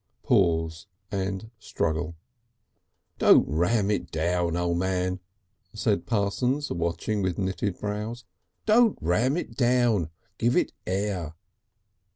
Pause and struggle. "Don't ram it down, O' Man," said Parsons, watching with knitted brows. "Don't ram it down. Give it Air.